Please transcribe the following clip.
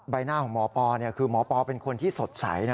ใบหน้าของหมอปอคือหมอปอเป็นคนที่สดใสนะ